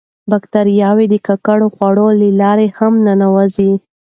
باکتریاوې د ککړو خوړو له لارې هم ننوځي.